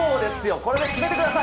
これで決めてください。